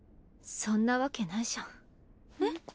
そんなわけないじゃん。